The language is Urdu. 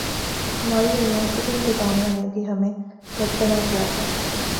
ہماری یونیورسٹی انتظامیہ نے بھی ہمیں متبنہ کیا تھا